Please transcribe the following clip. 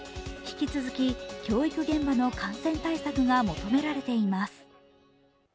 引き続き、教育現場の感染対策が求められています。